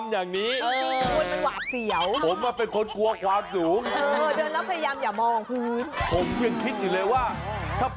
บนที่นี่กว่า๔๕๐ไร่